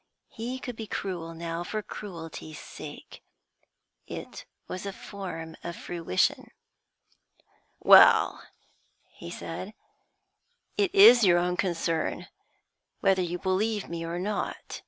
He could be cruel now for cruelty's sake; it was a form of fruition. 'Well,' he said, 'it is your own concern whether you believe me or not.